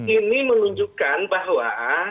ini menunjukkan bahwa